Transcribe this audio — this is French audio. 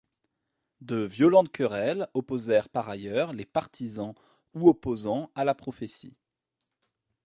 De violentes querelles opposèrent par ailleurs les partisans ou opposants à la prophétie.